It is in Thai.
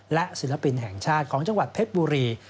และศิลปินแห่งชาติของจังหวัดเพชรบุรี